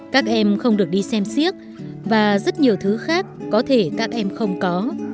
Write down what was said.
các em không được đi xem siếc và rất nhiều thứ khác có thể các em không có